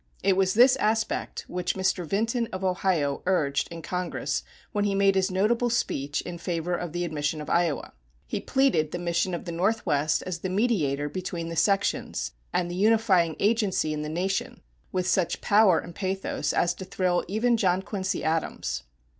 It was this aspect which Mr. Vinton, of Ohio, urged in Congress when he made his notable speech in favor of the admission of Iowa. He pleaded the mission of the Northwest as the mediator between the sections and the unifying agency in the nation, with such power and pathos as to thrill even John Quincy Adams.